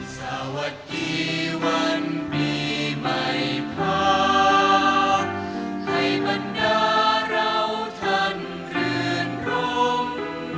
สวัสดีวันปีไม่พอให้บรรดาเราท่านคลื่นรม